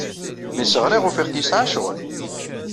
Mi as-ɣriɣ, ufiɣ-t yesɛa ccɣel.